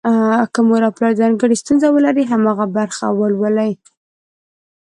که مور او پلار ځانګړې ستونزه ولري، هماغه برخه ولولي.